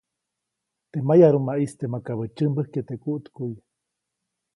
Teʼ mayarumaʼiste makabäʼ tsyämbäjkye teʼ kuʼtkuʼy.